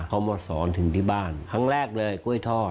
เขามาสอนถึงที่บ้านครั้งแรกเลยกล้วยทอด